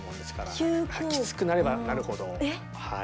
きつくなればなるほどはい。